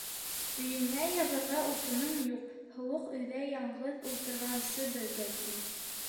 Өйөңә яғырға утының юҡ, һыуыҡ өйҙә яңғыҙ ултырғансы, беҙгә кил.